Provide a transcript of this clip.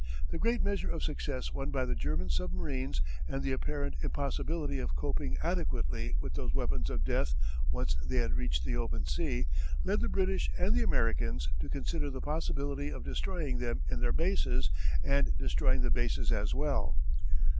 The great measure of success won by the German submarines and the apparent impossibility of coping adequately with those weapons of death once they had reached the open sea, led the British and the Americans to consider the possibility of destroying them in their bases and destroying the bases as well.